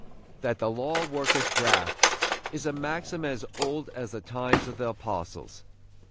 That "the law worketh wrath" is a maxim as old as the times of the Apostles.